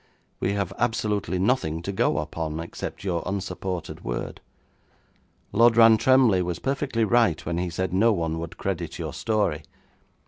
We have absolutely nothing to go upon except your unsupported word. Lord Rantremly was perfectly right when he said no one would credit your story.